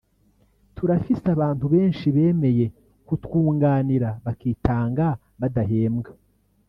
turafise abantu benshi bemeye kutwunganira bakitanga badahembwa